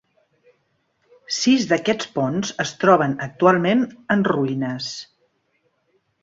Sis d'aquests ponts es troben actualment en ruïnes.